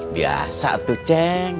biasa tuh ceng